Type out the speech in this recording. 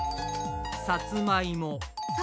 さつまいも。さ。